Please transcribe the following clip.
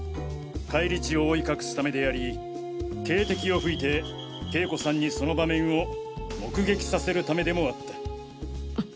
返り血を覆い隠すためであり警笛を吹いて景子さんにその場面を目撃させるためでもあった。